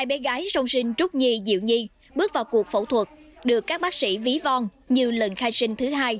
hai bé gái song sinh trúc nhi diệu nhi bước vào cuộc phẫu thuật được các bác sĩ ví von như lần khai sinh thứ hai